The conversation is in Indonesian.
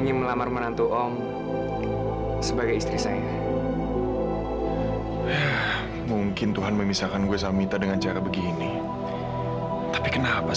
ya aku tuh habis selesai siaran